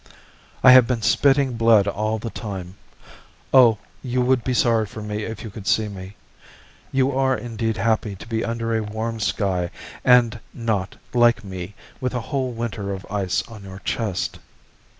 I have been spitting blood all the time. Oh, you would be sorry for me if you could see me. You are indeed happy to be under a warm sky, and not, like me, with a whole winter of ice on your chest.